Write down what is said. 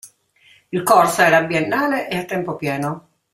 Il corso era biennale e a tempo pieno.